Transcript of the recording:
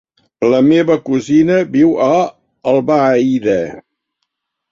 La meva cosina viu a Albaida.